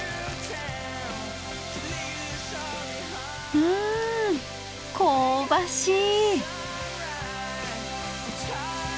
うん香ばしい。